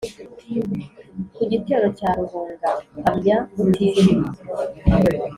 ku gitero cya ruhunga mpamya mutijima.